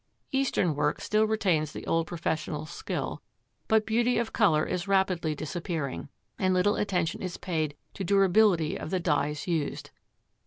Eastern work still retains the old professional skill, but beauty of colour is rapidly disappearing, and little attention is paid to durability of the dyes used.